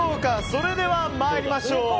それでは参りましょう。